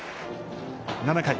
７回。